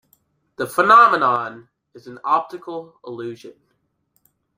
The phenomenon is an optical illusion.